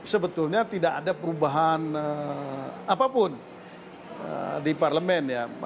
sebetulnya tidak ada perubahan apapun di parlemen ya